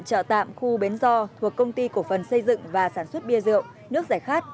chợ tạm khu bến do thuộc công ty cổ phần xây dựng và sản xuất bia rượu nước giải khát